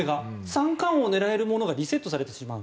三冠王狙えるものがリセットされてしまう。